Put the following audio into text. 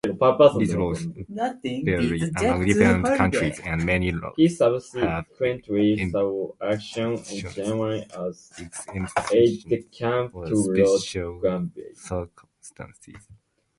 These laws vary among different countries and many laws have exemptions or special circumstances.